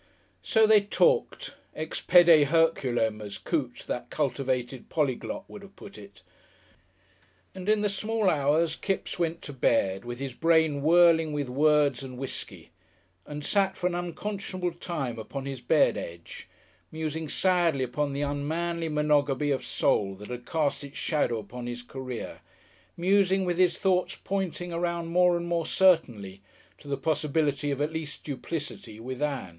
So they talked. Ex pede Herculem, as Coote, that cultivated polyglot, would have put it. And in the small hours Kipps went to bed, with his brain whirling with words and whiskey, and sat for an unconscionable time upon his bed edge, musing sadly upon the unmanly monogamy of soul that had cast its shadow upon his career, musing with his thoughts pointing around more and more certainly to the possibility of at least duplicity with Ann.